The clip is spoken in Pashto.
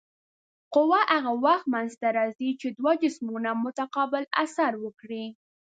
قوه هغه وخت منځته راځي چې دوه جسمونه متقابل اثر وکړي.